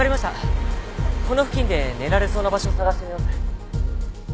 この付近で寝られそうな場所を探してみます。